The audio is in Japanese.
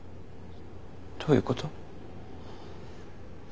どういうこと？